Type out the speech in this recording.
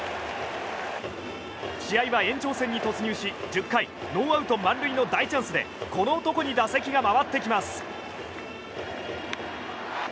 試合は延長戦に突入し１０回ノーアウト満塁の大チャンスでこの男に打席が回ってきます。